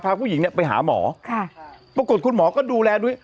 พาผู้หญิงเนี่ยไปหาหมอค่ะปรากฏคุณหมอก็ดูแลด้วย